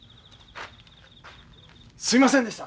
すいませんでした！